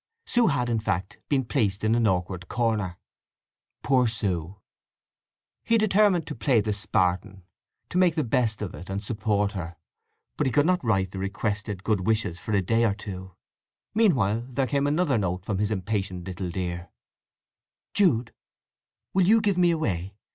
Sue had, in fact, been placed in an awkward corner. Poor Sue! He determined to play the Spartan; to make the best of it, and support her; but he could not write the requested good wishes for a day or two. Meanwhile there came another note from his impatient little dear: Jude, will you give me away?